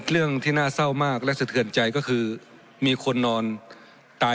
เรื่องที่น่าเศร้ามากและสะเทือนใจก็คือมีคนนอนตาย